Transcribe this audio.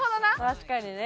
確かにね。